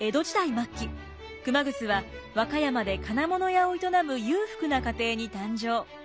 末期熊楠は和歌山で金物屋を営む裕福な家庭に誕生。